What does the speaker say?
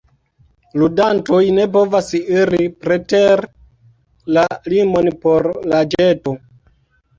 Ludantoj ne povas iri preter la limon por la ĵeto.